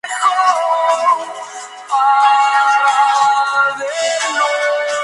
El objetivo del ritual era hacerles creer que estaban siendo marcados.